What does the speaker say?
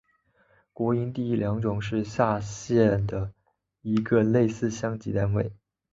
国营第一良种是下辖的一个类似乡级单位。